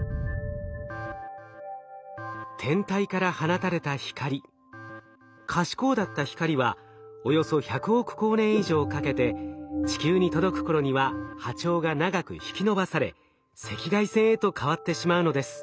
天体から放たれた光可視光だった光はおよそ１００億光年以上かけて地球に届く頃には波長が長く引き伸ばされ赤外線へと変わってしまうのです。